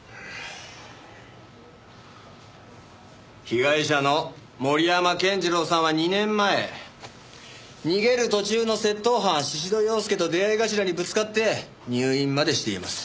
被害者の森山健次郎さんは２年前逃げる途中の窃盗犯宍戸洋介と出合い頭にぶつかって入院までしています。